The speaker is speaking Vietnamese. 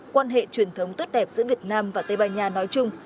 quan hệ truyền thống tốt đẹp giữa việt nam và tây ban nha nói chung